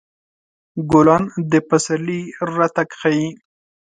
ګلان د پسرلي راتګ ښيي.